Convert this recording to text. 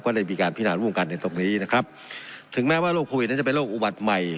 ก็เลยมีการพินาร่วมกันในตรงนี้นะครับถึงแม้ว่าโรคโควิดนั้นจะเป็นโรคอุบัติใหม่